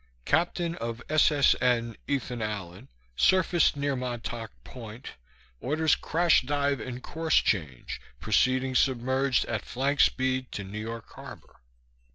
Captain of SSN Ethan Allen, surfaced near Montauk Point, orders crash dive and course change, proceeding submerged at flank speed to New York Harbor.